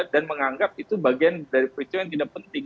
dan menganggap itu bagian dari peristiwa yang tidak penting